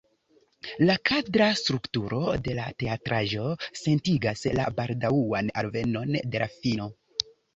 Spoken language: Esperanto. La kadra strukturo de la teatraĵo sentigas la baldaŭan alvenon de la fino.